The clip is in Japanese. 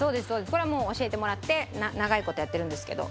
これはもう教えてもらって長い事やってるんですけど。